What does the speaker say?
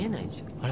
あれ？